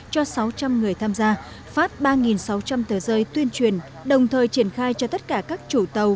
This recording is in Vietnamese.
cho sáu trăm linh người tham gia phát ba sáu trăm linh tờ rơi tuyên truyền đồng thời triển khai cho tất cả các chủ tàu